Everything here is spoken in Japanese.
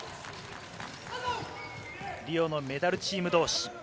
リオのメダルチーム同士。